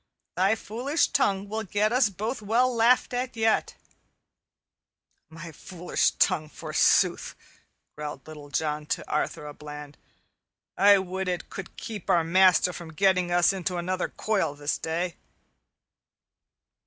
"Thy foolish tongue will get us both well laughed at yet." "My foolish tongue, forsooth," growled Little John to Arthur a Bland. "I would it could keep our master from getting us into another coil this day."